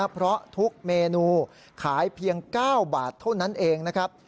เพราะทุกเมนูขายเพียง๙บาทเท่านั้นเองนะครับ